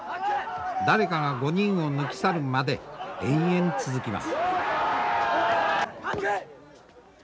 誰かが５人を抜き去るまで延々続きます。